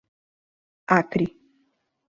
Acre